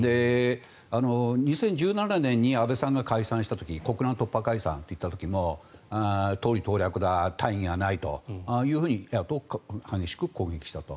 ２０１７年に安倍さんが解散した時国難突破解散と言った時も党利党略だ、大義がないと野党は激しく攻撃したと。